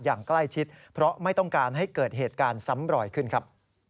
อย่างใกล้ชิดเพราะไม่ต้องการให้เกิดเหตุการณ์ซ้ำรอยขึ้นครับ